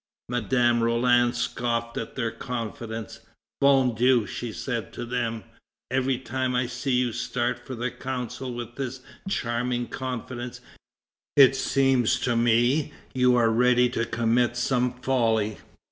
Madame Roland scoffed at their confidence. "Bon Dieu," she said to them, "every time I see you start for the Council with this charming confidence, it seems to me you are ready to commit some folly."